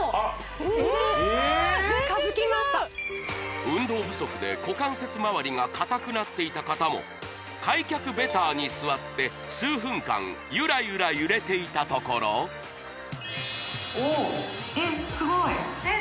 全然違う近づきました運動不足で股関節まわりが硬くなっていた方も開脚ベターに座って数分間ゆらゆら揺れていたところおっえっ